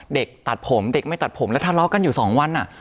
เด็กตัดผมเด็กไม่ตัดผมแล้วทะเลาะกันอยู่๒วัน